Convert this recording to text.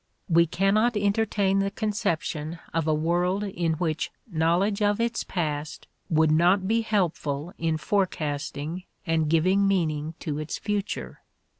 We cannot entertain the conception of a world in which knowledge of its past would not be helpful in forecasting and giving meaning to its future.